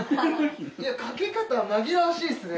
いや掛け方まぎらわしいっすね。